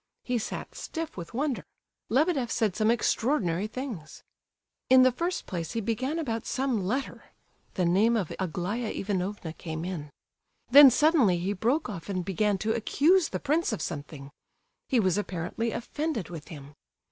He sat stiff with wonder—Lebedeff said some extraordinary things. In the first place he began about some letter; the name of Aglaya Ivanovna came in. Then suddenly he broke off and began to accuse the prince of something; he was apparently offended with him.